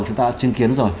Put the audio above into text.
chúng ta đã chứng kiến rồi